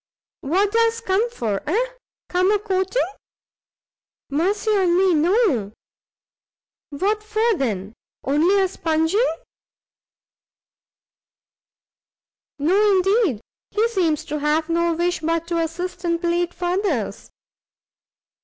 "What does come for? eh? come a courting?" "Mercy on me, no!" "What for then? only a spunging?" "No, indeed. He seems to have no wish but to assist and plead for others."